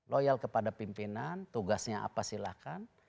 loyal kepada pimpinan tugasnya apa silahkan